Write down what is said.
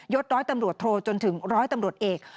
ร้อยตำรวจโทจนถึงร้อยตำรวจเอก